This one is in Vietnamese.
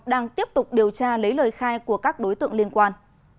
đang tiếp tục điều tra lấy lời khai của các đối tượng liên quan